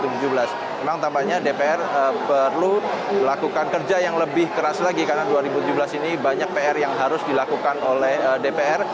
memang tampaknya dpr perlu melakukan kerja yang lebih keras lagi karena dua ribu tujuh belas ini banyak pr yang harus dilakukan oleh dpr